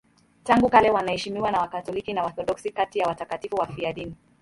Tangu kale wanaheshimiwa na Wakatoliki na Waorthodoksi kati ya watakatifu wafiadini.